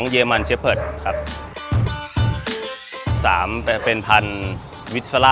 ๒เยอร์มันชิปเผิด